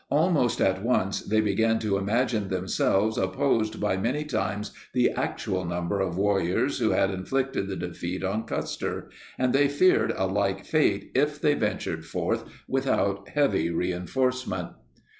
Almost at once they began to imagine themselves opposed by many times the actual number of warriors who had inflicted the defeat on Custer, and they feared a like fate if they ventured forth without heavy reinforcement.